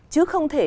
chứ không thể